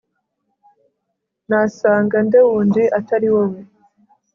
nasanga nde wundi atari wowe